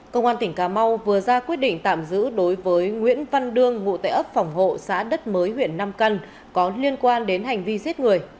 công an tỉnh cà mau vừa ra quyết định tạm giữ đối với nguyễn văn đương ngụ tệ ấp phòng hộ xã đất mới huyện nam căn có liên quan đến hành vi giết người